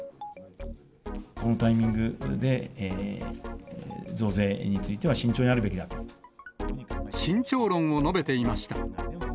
このタイミングで、増税については、慎重論を述べていました。